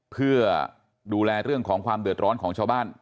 เพื่อดูแลเรื่องของความเดือดร้อนของชาวบ้าน